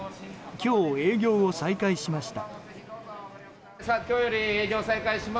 今日、営業を再開しました。